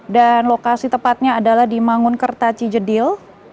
dan lokasi tepatnya adalah di mangun kertaci jedil